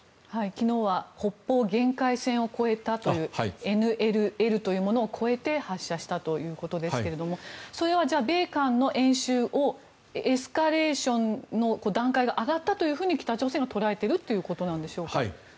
昨日は北方限界線を越えたというＮＬＬというものを越えて発射したということですがそれは米韓の演習をエスカレーションの段階が上がったと北朝鮮が捉えているということなんでしょうか。